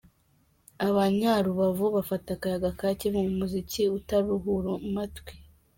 Abanya-Rubavu bafata akayaga ka Kivu mu muziki utaruhura amatwi.